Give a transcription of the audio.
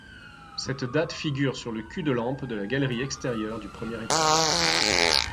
Cette date figure sur le cul-de-lampe de la galerie extérieure du premier étage.